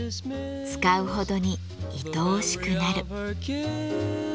使うほどにいとおしくなる。